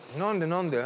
何で？